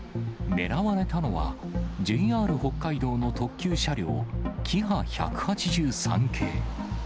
狙われたのは、ＪＲ北海道の特急車両キハ１８３系。